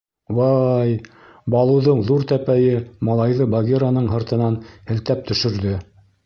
— Ва-ай, — Балуҙың ҙур тәпәйе малайҙы Багираның һыртынан һелтәп төшөрҙө.